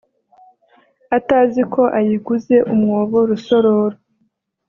atazi ko ayiguze umwobo Rusororo